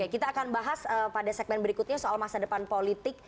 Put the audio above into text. kita akan bahas pada segmen berikutnya soal masa depan politik